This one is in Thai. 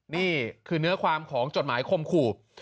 นี่คือเนื้อความของจดหมายคมขู่